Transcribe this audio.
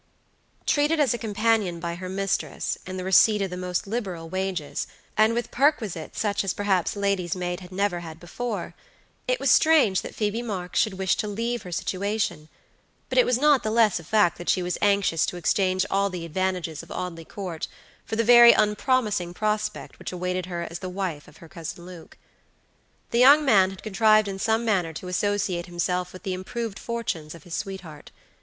Treated as a companion by her mistress, in the receipt of the most liberal wages, and with perquisites such as perhaps lady's maid never had before, it was strange that Phoebe Marks should wish to leave her situation; but it was not the less a fact that she was anxious to exchange all the advantages of Audley Court for the very unpromising prospect which awaited her as the wife of her Cousin Luke. The young man had contrived in some manner to associate himself with the improved fortunes of his sweetheart.